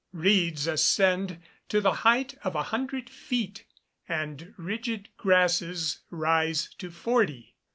Reeds ascend to the height of a hundred feet, and rigid grasses rise to forty.